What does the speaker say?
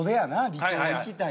離島行きたいとか。